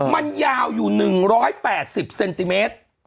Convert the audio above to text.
มันยาวอยู่๑๘๐เซนติเมตร